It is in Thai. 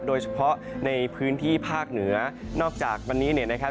โดยเฉพาะในพื้นที่ภาคเหนือนอกจากวันนี้เนี่ยนะครับ